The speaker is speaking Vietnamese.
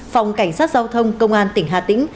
phòng cảnh sát giao thông công an tỉnh hà tĩnh